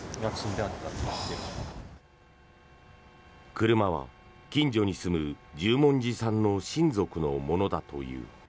車は近所に住む十文字さんの親族のものだという。